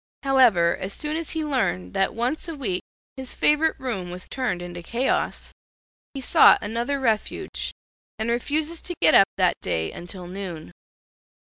However, as soon as he learned that once a week his favorite room was turned into chaos, he sought another refuge, and refuses to get up that day until noon.